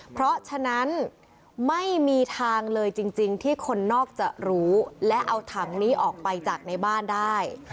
เพราะฉะนั้นไม่มีทางเลยจริงที่คนนอกจะรู้และเอาถังนี้ออกไปจากในบ้านได้